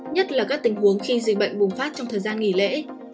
nhất là các tình huống khi dịch bệnh bùng phát trong thời gian nghỉ lễ